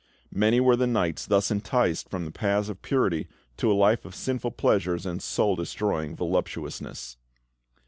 Many were the knights thus enticed from the paths of purity to a life of sinful pleasures and soul destroying voluptuousness.